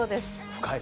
深い。